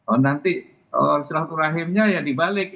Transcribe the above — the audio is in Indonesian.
oh nanti istirahat turaimnya dibalik